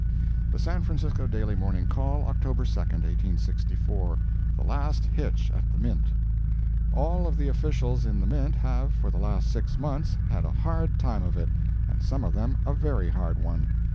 The San Francisco Daily Morning Call, October 2, 1864 THE LAST HITCH AT THE MINT All of the officials in the Mint have, for the last six months, had a hard time of it, and some of them a very hard one.